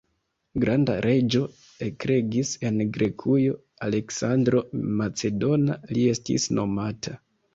Granda reĝo ekregis en Grekujo; « Aleksandro Macedona » li estis nomata.